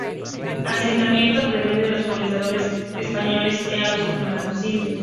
Asentamiento preferente de los colonizadores españoles eran los campamentos indios.